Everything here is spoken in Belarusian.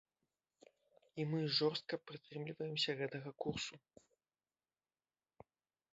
І мы жорстка прытрымліваемся гэтага курсу.